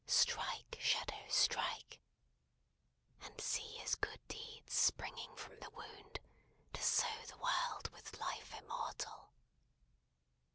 Strike, Shadow, strike! And see his good deeds springing from the wound, to sow the world with life immortal!